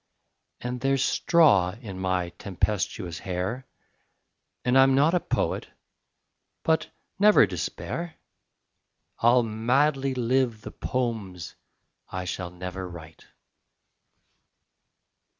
And there's straw in my tempestuous hair, And I'm not a poet: but never despair! I'll madly live the poems I shall never write.